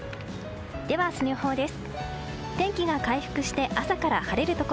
では明日の予報です。